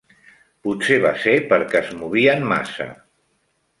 Potser va ser perquè es movien massa.